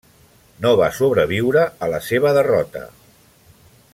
No va sobreviure a la seva derrota.